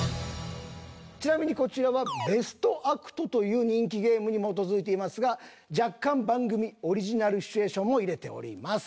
ちなみにこちらは「ベストアクト」という人気ゲームに基づいていますが若干番組オリジナルシチュエーションも入れております。